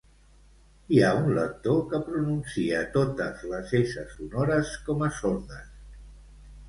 Hi ha un lector que pronuncia totes les essa sonores com a sordes